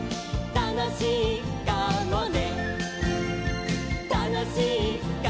「たのしいかもね」